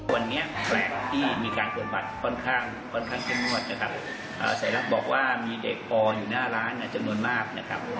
วันนี้แปลกที่มีการปฏิบัติค่อนข้างจำนวนนะครับใส่รับบอกว่ามีเด็กพออยู่หน้าร้านจำนวนมากนะครับ